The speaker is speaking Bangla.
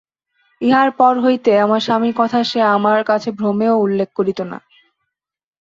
ইহার পর হইতে আমার স্বামীর কথা সে আমার কাছে ভ্রমেও উল্লেখ করিত না।